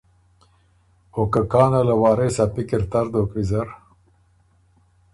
او که کانه له وارث ا پِکر تر دوک ویزر